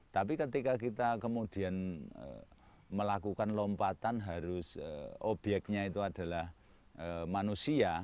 tapi ketika kita kemudian melakukan lompatan harus obyeknya itu adalah manusia